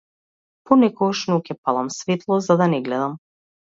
Понекогаш ноќе палам светло за да не гледам.